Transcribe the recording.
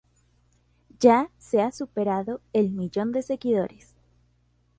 Ya ha superado el millón de seguidores.